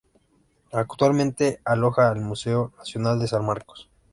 Actualmente aloja al Museo Nacional de San Carlos.